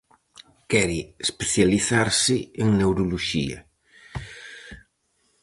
Quere especializarse en neuroloxía.